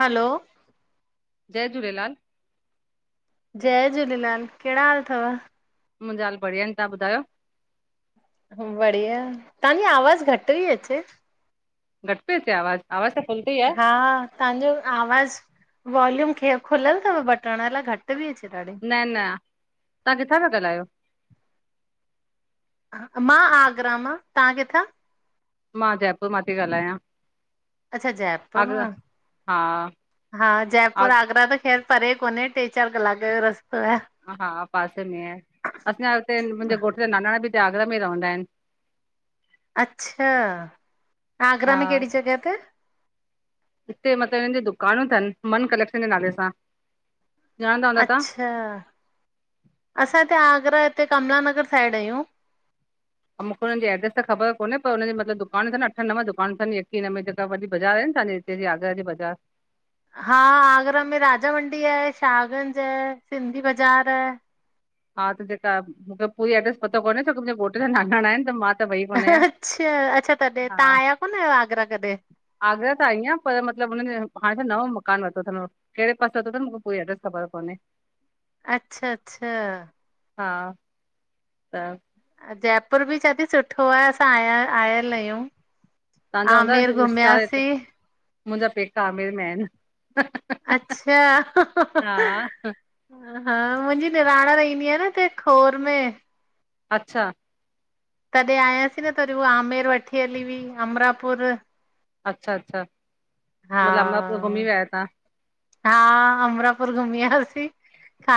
हलो जय झूलेलाल जय झूलेलाल, कहिंड़ा हाल थव? मुहिंजा हाल बढि़या आहिन, तां ॿुधायो? बढ़िया, तांजी आवाज़ घटि थी अचे घटि ती अचे आवाज़, आवाज़ त फुल तेहि आ। तांजो आवाज़, वॉल्यूम ख खुलियल थव बटण अलाए घटि ति अचे ॾाढी न न, तां किथा पिया ॻाल्हायो? मां आगरा मां, तां किथा? मां जयपुर मां थी ॻाल्हायां अच्छा जयपुर आगरा मां, हा हा जयपुर आग आगरा त ख़ैर परे कोने टे चार क़लाक जो रस्तो आ। हा पासे में आहे, असांजा हुते मुहिंजे आ। घोट जा नानाणा बि हिते आगरा में रहंदा हिनि। अच्छा, आगरा हा में केड़ी जॻह ते? हिते मतलबु हिननि जी दुकान थनि मन कलेक्शन जे नाले सां ॼाणंदा हूंदा तव्हां अच्छा, असां हिते आगरा हिते कमला नगर साइड आहियूं। ऐं मुंखे हुननि एडेस त ख़बर कोने पर हुन जीयू मतिलबु दुकान थन, अठ नव दुकान तन यकी हिन में जेका वॾी बाज़ार आहिनि, ना तांजी केजी आगरा जी बज़ार? हा आगरा में राजा मंडी आहे, शाहगंज, सिंधी बाज़ार हा त जेका मुंखे पूरी एड्रेस पतो कोने छोकी, मुहिंजे घोटु जा नानाणा आहिनि त मां त वई कोन आहियां अच्छा, अच्छा तॾहिं हा तां आया कोने आगरा गॾहिं? आगरा त आईंया, पर मतिलबु हुननि हाणे नओं मकान वरितो हाणे केड़े पासे वत्तो तन मुंखे कोई एड्रेस, ख़बर कोने अच्छा, अचछा हा, त जयपुर बि चयदी सुठो आ, असां आया आयल आहियूं। आमेर घुमियासे मुहिंजा पेका आमेर में आहिन। अच्छा खिलण हा जी आवाज़ हा मुहिंजी निराण रहंदी आ, न हिते खोर में अच्छा तॾहिं आयासे न तरी हू आमेर वठी हली हुई अमरापुर अच्छा अच्छा, हा, मतिलबु अमरापुर घुमी विया तां हा, अमरापुर घुमीं आयासीं।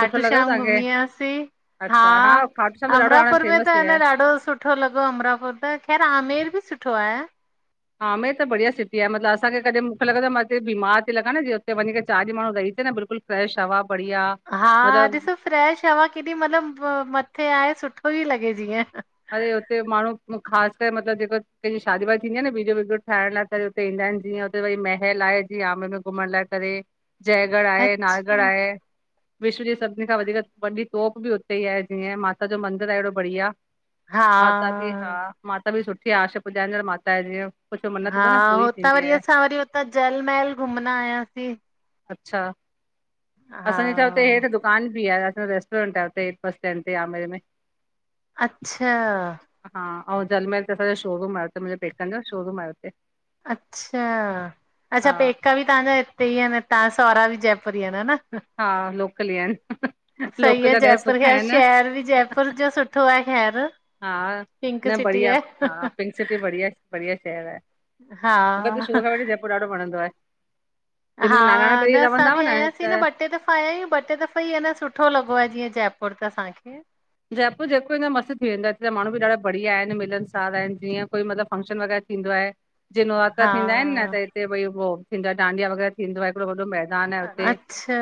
सुठो लॻव श्याम तव्हांखे घुमीयासीं हा अच्छा खाटू श्याम त ॾाढो हाणे अमरापुर में फेमस त थी आ वियो आहे न ॾाढो सुठो सुठो लॻो अमरापुर त ख़ैर आमेर ॿि सुठो आये। आमेर त बढ़िया सिटी आ मतलब असांखे कॾै मूंखे लॻदो आ मां हिते बीमार थी लॻां न जे हुते वञी चार ॾिह रहि अचे न माणू हुते बिल्कुल फ्रेश हवा बढ़िया। हा मतिलबु ॾिसो फ्रैश हवा केॾी मतलब मथे आये सुठो ही लॻे जीअं। अरे हुते माणू ख़ास करे मतलब ॼेको कैंजी शादी वादी थींदी आ न वीडियो विडियो ठाहिण लाइ। करे हुते ईंदा आयन जीअं हुते वरी महल आये जीअं आमेर में घुमण लाइ करे। जयगढ़ आये नायगढ़ अच्छा आये। विश्व ॼी सॿिन खां वधीक वॾी तोप ॿि उते ई आये जीअं माता जो मंदिर आये एॾो बढ़िया। हा। माता ॿि हा माता ॿि सुठी आ आशा पुॼाईंदड़ माता जीअं। कुझु मन्नत हा घुर न पूरी हुतां थींदी वरी आहे असां वरी हुतां जलमहल घुमंदा आयासीं। अच्छा हा असांजे छा हुत हेठ दुकान ॿि आ असां रेस्टोरेंट आ हुते बस स्टैड ते आमेर में। अच्छा हा अउं जलमहल ते असांजो शोरूम आ हुते मुंहजे पेकन जो शोरूम आ हुते। अच्छा, अच्छा हा पेका ॿि तांजा हिते ई आयन न तां सवरा ॿि जयपुर ही आयन है ना? हा लोकल ई आहिनि सई लोकल आ जा ॾाढा जयपुर सुख ख़ैर आहिनि शहर ॿि जयपुर जो सुठ सुठो आ ख़ैर। हा पिंक न सिटी बढ़िया आहे। हा पिंक सिटी बढ़िया-बढ़िया शहर आये। मूंखे त हा शुऊ खां वठी जयपुर ॾाढो वणंदो आये। हा न असां ॿि आयासीं त न ॿ टे दफ़ा। आ आयूं ॿ टे दफ़ा ई अ न सुठो लॻो आ जीअं जयपुर त असांखे। जयपुर जेको ईदो मस्त थी वेंदो आ हिते माण्डु ॿि ॾाढा बढ़िया आयन मिलन सार आयन जीअं कोई मतलब फंक्शन वगैरह थीदों आये जीय नवरात्रा हा थींदा आयन न त हिते भई उ थींदो आये दो डांडिया वग़ैरह थींदो आये वॾओ मेंदान तान न हुते अच्छा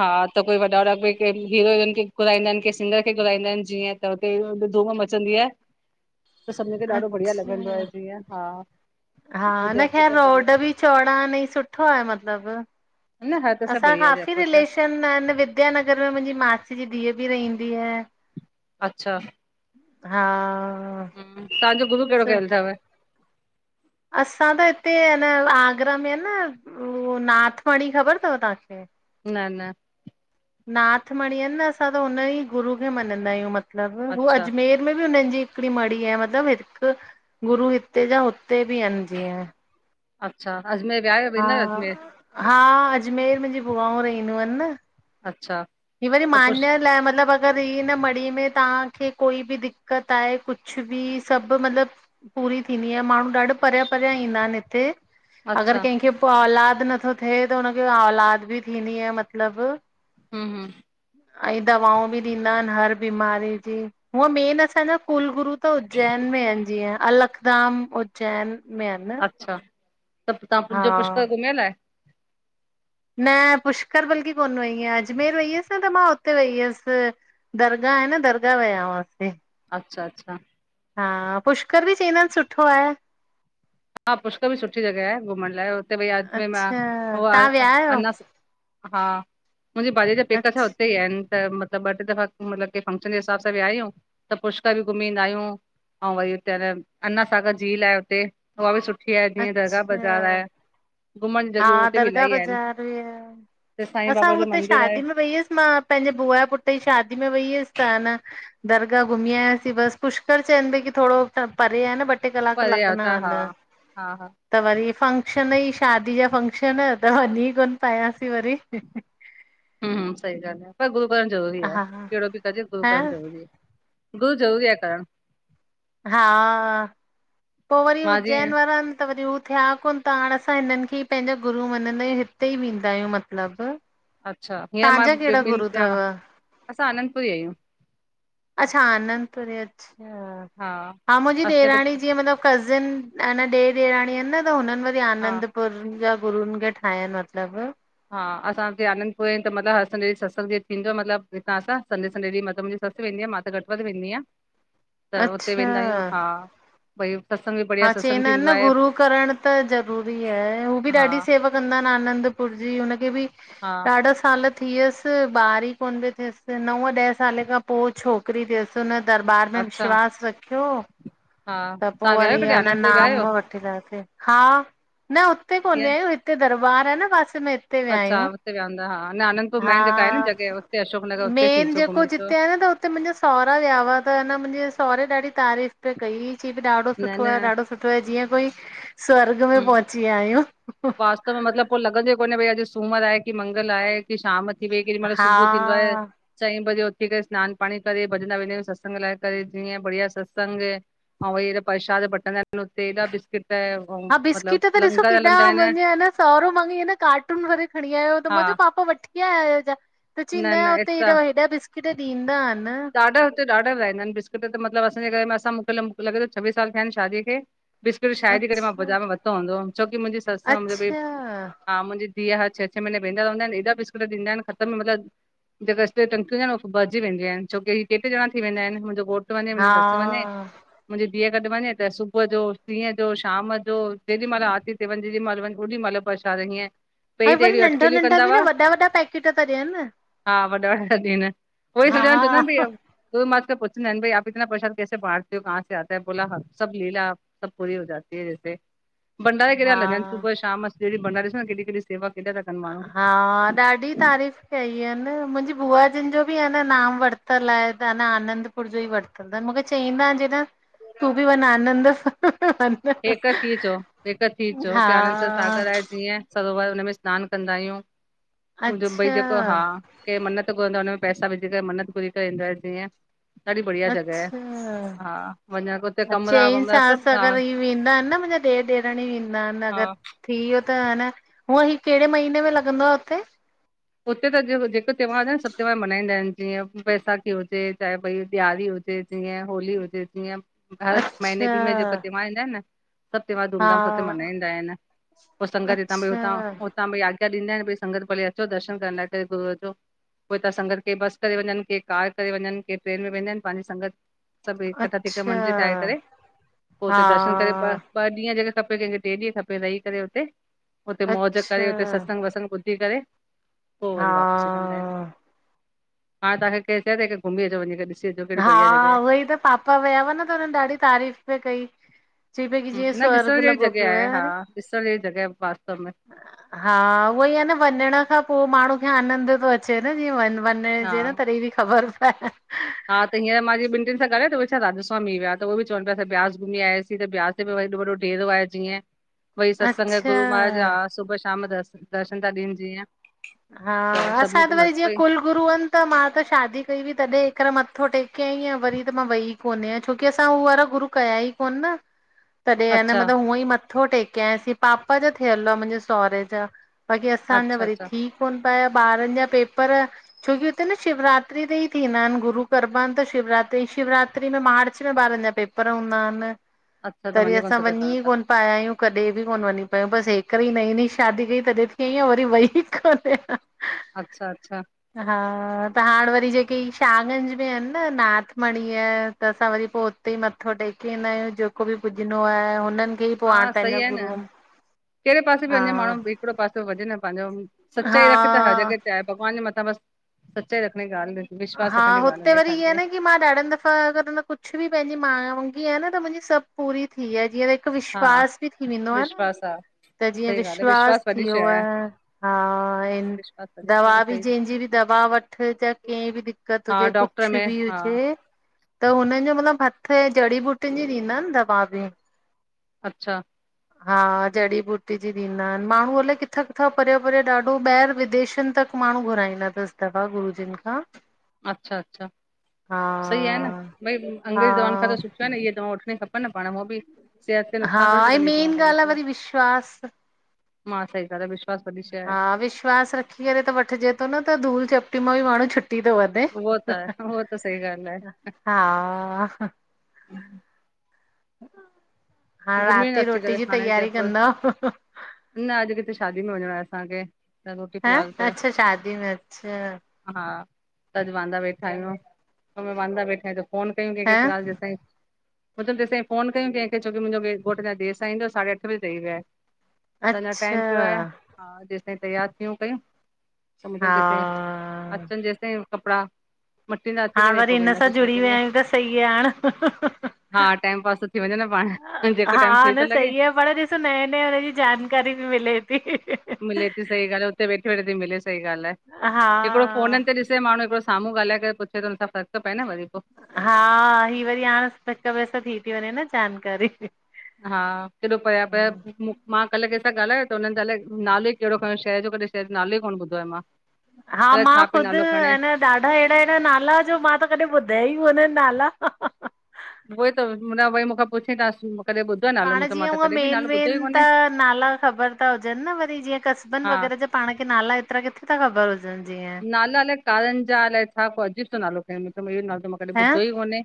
हां त कोई वॾा-वॾा हिरो हिरोइन के घुराईंदा आयन सिंगर कै घुराईंदा आयन जीअं त हुते धूम मचंदी आ। त सभनं खे ॾाढो बढ़िया अच्छा लॻंदो आये जीअं हां हा त न जयपुर ख़ैर त रोड बढ़िया। बि चौड़ा एनं सुठो आये मतलब ह न हा त सभु असां बढ़िया काफ़ी जयपुर त रिलेशन आयन वि विद्यानगर में मुंजी मासी जी धीअउ ॿि रहंदी आ। अच्छा हां ह तांजो गुरु कैड़ो कयल थव? असां त हिते न आगरा में ना उहो नाथमणी ख़बर थव तांखे? न-न नाथ मणी अन न असां त हुन ई गुरू खे मञंदा आयूं मतलब हू अजमेर अच्छा अजमेर में ॿि हुनन जी हिकड़ी मड़ी आ मतिलब हिक गुरू हिते जा हुते ॿि आयन जीअं। अच्छा अजमेर वया अयो वेदां अयो अजमेर? हां अजमेर मुंजी बुआऊं रहंदियूं आयन न। अच्छा इ वरी त पुष मान्य लाए मतलब अगर इ हिन मड़ी में तांखे कोई ॿि दिक्कत आये कुछ ॿि सॿ मतलब पूरी थींदी आ माणू ॾाढो परयां परया ईंदां आयन हिते। अगर अच्छा कैंखे पो औलाद नथो थे त हुनखे औलाद ॿि थींदी आ मतलब। हम-हम ऐं दवाऊं बि ॾींदा आयन हर बीमारी जी हूअ मेन असांजा कुल गुरु त उज्जैन में आहिनि जीअं अलकदाम उज्जैन में आहिनि न। अच्छा त तव्हां [unintelligible] पुष्कर घुमियल आहें? न पुष्कर बल्कि कोन वेई आया अजमेर वई हुअसि न त मां हुते वई हुअसि। दरगाह आहे न दरगा विया हुयासीं। अच्छा अच्छा हां पुष्कर बि चईंदा आहिनि सुठो आहें। हा पुष्कर बि सुठी जॻह आहे घुमण लाइ हुते भाई अच्छा तव्हां विया आहियो [unintelligible] हा मुंजी भाॼीई जा पेका छा उते ही अच्छा आहिनिं। त मतलब ॿ ट्रे दफ़ा मतलब के फंक्शन जे हिसाब सां विया आहियूं त पुष्कर बि घुमी ईंदा आहियूं। अऊ वरी उते अन्ना सागर झील आहें हुते। उहा बि सुठी आहें जीअं दरगाह बाज़ार आहें। हां दरगाह बाज़ार त साईं असां बाबा जो हुते मंदिर आहे शादी में वई हुयसि मां पंहिंजे बुआ जे पुट्र जी शादी में वई हुअसि त न- दरगह घुमी आययासीं बस पुष्कर चईन पया थोरो परे आहे न ब ट्रे कलाक लॻणा आहिनि। हां हां त वरी फंक्शन ई शादी जा फंक्शन त वन्नी कोन पायासीं वरी। हम्म हम्म सही गाल्हि आहे पर गुरू करण ज़रूरी आहें हा कहिड़ो बि करजे, गुरू हा करण ज़रूरी आहे। गुरु जरूरी आहें करण। हां पो वरी मां उज्जैन जीअं वारा अन त वरी थिया कोन्ह त हाणे असां हिननि खे ई पंहिंजा गुरू मन्नदां आहियूं हिते ई वेंदा आहियूं मतलब। अच्छा हीअंर मां [unintelligible] असां आनंंदपुरी आहियूं। अच्छा आनंदपुरी अच्छा हा हां मुंजी असले ॾेराणी जीअं मतलब कज़िन ऐन ॾेर ॾेराणी आहिनि न त हुननि वरी हा आनंद पुर गुरुनि जा खे ठाहिया आहिनि मतलब। हां असां हिते आनंदपुर त मतलब हर संडे सत़संग ॾींदो मतलब हितां असां संडे संडे ॾींहुं मतलब ससु वेंदी आ मा त घट वध वेंदी आहिं। अच्छा [unintelligible] हा चेंदा आहिनि थींदो न आहे गुरु करण त ज़रूरी आहे हू बि हा ॾाढी सेवा कंदा आहिनि आनंदपुर जी हुनखे बि हा ॾाढा साल थी वियसि ॿार ही कोन पियो थियसि नव ॾह साले खां पोइ छो छोकरी थियसि, हुन्न दरबार में अच्छा विश्वास रखियो, हा त पो तव्हां व विया आहियो कि कॾहिं अन आनंदपुर विया नाम आहियो वठींंदासीं हा, न हुते कीअं कोने ते दरबार आ न पासे में उते विया अच्छा आहियूं हुते विया हूंदा हा न आनंदपुर मेन जेका आहे न हा, जॻह हुते अशोक नगर हुते थी मेेन अचो जेको घुमी अचो जिते आ न त हु उते मुंजा सहोरा विया हुआ त न मुंजे सोहरे ॾाढी तारीफ़ पे कई ची बि ॾाढो न सुठो न आहे ॾाढो सुठो आहे जीअं कोई, स्वर्ग में पहुची विया आहियूं। त में मतलब पो लॻंदो ई कोन्हे भाई अॼु सूमर आहे, कि मंगल आहे, कि शाम थी भई केॾी महिल हा सुबुह थींदो आहे। चईं बजे उथी करे सनानु पाणी करे भॼदां वेंदा आहियूं सत्संग ला करे जीअं बढ़िया सत्संग अऊं हेॾा परसाद बटंदा अहिन त उते हेॾा बिस्किट हा मतलब बिस्किट बि ॾिसो लंगर केॾा, हलंदा आहिनि मुंजो हेन सोहरो मांॻई अन कार्टून भर खणी आयो त मा हा चयो पा पापा वठी आ आहियो छा, त चई न हुते हेॾा, हेॾा बिस्किट ॾींदा अनि। ॾाढा हुत ॾाढा विराइदां आहिनि बिस्कुट त ॾाढा हुते ॾाढा वयल आइन बिस्किट मतिलबु असांजे घर में असां मोकल मुखे लॻे थो छवीह साल थिया आहिनि शादी खे। बिस्किट शायद ही कडे मां अच्छा बज़ार में वरितो हूंदो हुअम छोकी मुंजी ससु मुंजी भई अच्छा हा मुंजी धीउ हर छह छह महीने वेंदा रवंदा आहिनि एॾा बिस्कुट ॾीदां आहिनि ख़तम मतिलबु जेके स्टील जी टंकियूं हूंदियूं आहिनि भरजी वेंदियूं आहिनि। छोकी हि टे टे ज़णा थी वेंदा अहिनि मुंहिंजो घोटु वञे, मुंजी हा ससु वञे। मुंहिंजी धीउ गॾु वञे त सुबुह जो, डिहुं जो, शाम जो जेॾी महिल आरती ते वञ जेॾी महिल वञ ओॾी महिल बस त हीअं पेरी ऐं त वरी एॾियूं नंढा अटखेलियूं नंढा कंदा बि हुआ, न वॾा वॾा पैकेट था ॾियनि। हा वॾा वॾा थी विया आहिन। उअई सम्झंदा आहिन चवंदा आहिन भई हा त सब मां अच पुछदां आहिन, भई इतना परशाद कैेसे बांटते हो, कहां से आता है, बोला हा, सब लीला सब पूरी हो जाती है जैेसे भंडारा केॾा था लगन, हा सुबह शाम सॼे ॾींह भंडारे सेवा सां न, केॾी केडी सेवा, केॾा त हा ॾाढी तारीफ़ कई अहिन मुंजी बुआ जिनि जो बि अन नाम वरितल आहे त अ न आनंद पुरजो ई वरतंदा मुखे चईंदान जेॾां तूं बि वञ आनंद हा हेक थी अचो हेक थी अचो हा हुते आनंद सां सागर आहे जीअं सरोवर हुनमें सनानु कंदा आहियूं। मुंहिंजो भई अच्छा जेको हा के मन्नत घुरंदो आहे हुन में पैसा विझी करे मन्नत पूरी ईंदां आहिन जीअं ॾाढी बढ़िया जॻह आहे हा। वञण हुते अ कमरा चंई वमरा सास, सभु हा अगरि इ वेंदा आहिन न मुंहिंजा ॾेर- ॾेरण ई वेंदा आहिन हा अगर। थी वियो त ह न, हूंअ ही कहिड़े महीने में लॻंदो आ हुते? हुते त जेको त्योहार आहे, सब त्योहार मनाईंदा आहिन, जीअं वैसाखी हुजे, चाहे भई ॾियारी हुजे। जीअं होली हुजे, जीअं हर महीने अच्छा ॿी मेने में जेक त्योहार ईंदा आहिनि न सब त्योहार धूम हा धाम सां हुते मनाईंदा आहिन, पो संगत हितां भई अच्छा हुतां, हुतां भई ॾींदा आहिन, भई संगत भली अचो, दर्शन करण लाइ करे गुरअ जो। पो हितां संगत के बस करे वञनि, के कार करे वञनि के, ट्रेन में वेंदा आहिन, पांजी संगत सब इक्कठा थी करे अच्छा मंडली ठाहे करे, पो हा उते दर्शन करे ॿ ॾींहं केंखे खपे, कंहिंखे टे ॾींहं खपे, रही करे उते हुते मौज करे, हुते अच्छा सत्संग वतसंगु ॿुधी करे। पो हा वरी वापसी कंदा आहिन, हाण तांखे केर चए त घुमी अचो वञी क हा उहे ई त पापा विया हुआ न, त हुननि ॾाढी तारीफ़ पे कई। चई पई की जीअं न ॾिसण स्वर्ग ॼहिड़ी लॻो जॻह पियो आहे, हा अरे ॾिसण ॼी जॻह आहे वास्तव में। हा उहोई आहे न वञण खां पो माण्हू खे आनंद थो अ चेंदा जीअं वन वनण हा जेॾो तॾईं ॿि ख़बर पए। हा त हींअर मां जीअं ॿिन टिन सां ॻाल्हाएण थियो त उहे छा राधास्वामी हुया। त उहे ॿि चवन पया असां व्यास घुमीयासीं त व्यास उते ब वरी वॾो ॾेरो आहे जीअं भई सत्संग अच्छा गुरू महाराॼ आ सुबुह शाम दर् दर्शन था ॾिन ॼीअं। हा, असां त वरी जीअं कुल गुरू अन त मां त शादी कई हुई, तॾे हिकर मथो टेके आईं आ वरी त मां वई कोन आयां। छोकी असां उह वारा गुरू कया ई कोन न हम्म! तॾहिं आ न मतलब हूअं ई मथो टेके आयासीं। पापा जो थियल हुआ मुंजे सोरे जा। ॿाक़ी असांजा अच्छा वरी अच्छा थी कोन पिया ॿारनि जा पेपर छोकी हुते न शिवरात्री ते ई थींदा आहिनि गुरू करबा अन त शिवरात्री, शिवरात्री में मार्च में ॿारनि जा पेपर पर हूंदा अन, अच्छा त तॾी कोन असां सघंदा वञी आहियो ई कोन तव्हां पर आया आयूं कॾे बि कोन वञी पयूं, बस हिकॾी नईं नईं शादी कई, तॾी थी आईं आं वरी वई ही कोने। अच्छा अच्छा हा, त हाण वरी जेके ई शागंज में अन न नाथमणी, त असां वरी पो उते ई मथो टेके ईंदा आयूं ॼेको ॿि पुॼंदो आए उनन खें हा सई आ न, केड़े पासे बि हा वञे माणूं ॿि थोड़ो पासो वठे न पांजो, हा सच्चाई रखे त हर जॻे ते आए, भॻवान ॼे मथां ॿस सच्चाई रखण जी ॻाल हां, हुते वरी इअं आ न कि मां [unintelligible] कुछ ॿि पंहिंॼी मा वांगी आ न, त मुंॼी सभ पूरी थी ये, ॼीअर हिक हा विश्वास ॿि थी वेंदो आ न। त ॼीअं सही ॻाल्हि आहे विश्वास थि वॾी शइ व्यो आ, आहे हा, हा हिन विश्वास वॾी शइ दवा आहे ॿि सही जेंजी ॿि दवा वठ त कें ॿि दिक्क़त हा हुॼे, डॉक्टर कुछ में बि हा हुॼे। त हुनन जो मतलब, हथ ऐं जड़ी बूटिन ॼी ॾींदा न दवा ॿि अच्छा! हा, जड़ी बूटी ॼी ॾींदा अन, माणू अलाए किथां-किथां, परे-परे ॾाढो ॿाएर विदेशन तक माणूं घुराईंदा तस दवा, गुरुजन खां। अच्छा अच्छा, हा सही आए न, भई हा अंग्रेज दवाउन खां त सुठो आ न, इए दवांउ वठणी खपन न। पाण उंव बि सेहत ते हा, नुक़सान थोरी थी कंदी दवाऊं मेन ॻाल आ पो वरी विश्वास मां सही करे ‌विश्वास हा, विश्वास रखी करे त वठजे तो, न त धूल चपटी मां बि माणूं छुटी तो वञे उओ त आए, उओ त सही ॻाल आए। हा हा घुमी राति जी अची रोटी करे जी हाणे, तयारी जयपुर? कंदव न अॼ किथे शादी में वञणो आ असांखे त रोटी हां? फिलहाल त अच्छा शादी में, अच्छा हा, अॼ वांदा वेठाऊं। इनमें वांदा वेठे जो फ़ोन कयूं केंखे ह फिलहाल ॼेसताई, मां च्यो ॼेसताई फोन कयूं केंखे। छोकि मुंजो घोट छा देर सां ईंदो साढे अठ बजे चई व्यो आए, त अञां टाइम अच्छा प्यो आए। हां जेस ताईं तैयार थियूं कयूं, समझन तेसिताईं, हा अचन जेसताईं कपड़ा हा वरी ईन सां ॼुड़ी व्या में आयूं त, सई आ न हा, टाइम पास तो थी वञे न पाण। जेको टाइम हा, फ्री थो न लॻे सई आ पर ॾिस नएं नयंजी जानकारी ॿि मिले ती। मिले ती सई ॻाल आ, उते वेठे वेठे ती मिले सई ॻाल आए, हा हिकड़ो फ़ोनन ते ॾिस उते माणूं हिकड़ो सामो ॻालाए करे पुछे तो, हुन सां फ़र्क़ त पे न वरी पो। हां, ही वरी हाणे [unintelligible] थी ती वञे न जानकारी। हा, केॾो पया पया घुमु मां कल केंसां ॻालायो तो हुनन जे अलाए नालोई केड़ो खयों, शहर जो कॾें नालो ई कोन ॿुधो आ मां। हा अलाए मां छा पियो ख़ुद, नालो खणे अन ॾाढा एड़ा एड़ा नाला, जो मां त कॾीं ॿुध्या ई कोन नाला। उह ई त, न भई मुखां पुछंदासूं पाण जीअं उअं मेन मेन त कोन्हे नाला ख़बर ता हुजन न, वरी जीअं कस्बन हा वग़ैरा जा पाण खे नाला, एतरा किथे था ख़बर हुजन जीअं नाला अलाए कारन जा अलाए छा, को अजीब सो नालो खयईं [unintelligible] नालो त मां कॾीं ह ॿुधो ई कोने।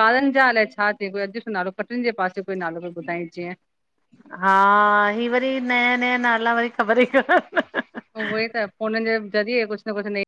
कारनजा अलाए छा चंयईं, कोई अॼीब सो नालो, पटरिन जे पासे कोई नालो कोई ॿुधायंई जीअं हां ही वरी नया नया नाला वरी ख़बर ई काननि हं हं हं उहो इ त पो उननि जे ज़रिए कुछ न कुछ नइ